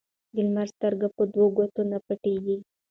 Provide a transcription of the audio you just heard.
ـ د لمر سترګه په دو ګوتو نه پټيږي.